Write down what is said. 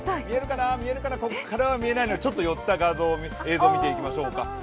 見えるかな、ここからは見えないのでちょっと寄った映像を見ていきましょうか。